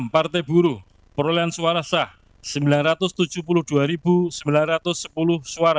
enam partai buruh perolehan suara sah sembilan ratus tujuh puluh dua sembilan ratus sepuluh suara